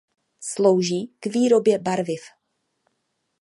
Slouží k výrobě barviv.